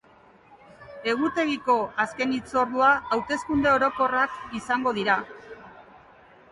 Egutegiko azken hitzordua hauteskunde orokorrak izango dira.